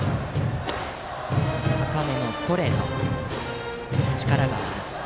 高めのストレートに力があります。